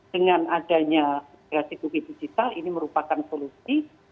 dengan adanya grasi tv digital ini merupakan solusi